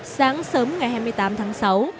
sáng sớm ngày hai mươi tám tháng sáu